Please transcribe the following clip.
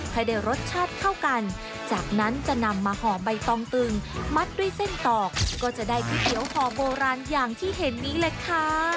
ให้ได้รสชาติเข้ากันจากนั้นจะนำมาห่อใบตองตึงมัดด้วยเส้นตอกก็จะได้ก๋วยเตี๋ยวห่อโบราณอย่างที่เห็นนี้แหละค่ะ